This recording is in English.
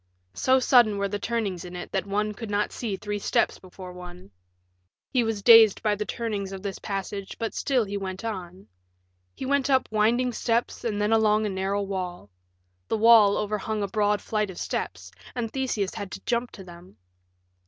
So sudden were the turnings in it that one could not see three steps before one. He was dazed by the turnings of this passage, but still he went on. He went up winding steps and then along a narrow wall. The wall overhung a broad flight of steps, and Theseus had to jump to them.